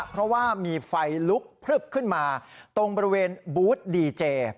เพราะว่ามีไฟลุกพลึบขึ้นมาตรงบริเวณบูธดีเจ